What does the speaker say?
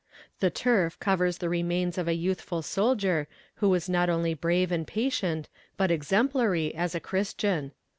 "The turf covers the remains of a youthful soldier who was not only brave and patient, but exemplary as a christian.